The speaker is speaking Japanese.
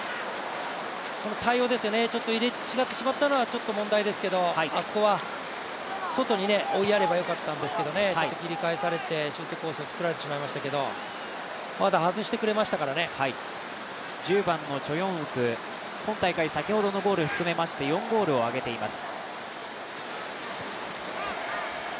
対応ですよね、ちょっと入れ違ってしまったのは問題ですけど、あそこは外に追いやればよかったんですけれども、ちょっと切り替えされて、シュートコースを作られてしまいましたけど、１０番のチョ・ヨンウク、今大会先ほどのゴールを含めまして、４ゴールを挙げています。